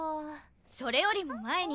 それよりも前に。